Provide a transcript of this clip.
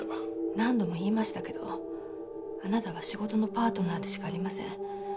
何度も言いましたけどあなたは仕事のパートナーでしかありません。